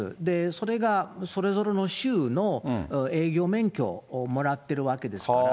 それがそれぞれの州の営業免許をもらっているわけですから。